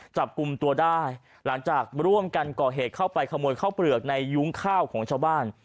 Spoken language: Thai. จับกลุ่มตัวได้หลังจากร่วมกันก่อเหตุเข้าไปขโมยข้าวเปลือกในยุ้งข้าวของชาวบ้าน